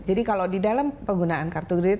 jadi kalau di dalam penggunaan kartu kredit